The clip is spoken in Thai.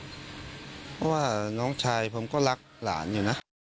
เพราะว่าน้องชายผมก็รักหลานอยู่นะ